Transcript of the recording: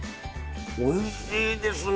おいしいですな。